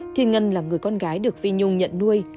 thiên ngân là người con gái được phi nhung nhận nuôi